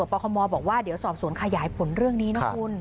ปคมบอกว่าเดี๋ยวสอบสวนขยายผลเรื่องนี้นะคุณ